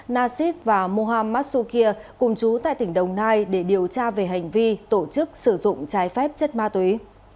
nasid và mohammad sukir cùng chú tại tỉnh đồng nai để điều tra về hành vi tổ chức sử dụng trái phép chất ma túy